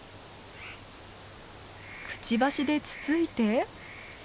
くちばしでつついて。